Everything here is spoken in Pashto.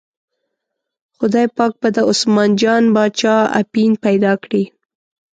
خدای پاک به د عثمان جان باچا اپین پیدا کړي.